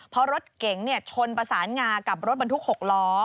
เพราะรถเก๋งชนประสานงากับรถบรรทุก๖ล้อ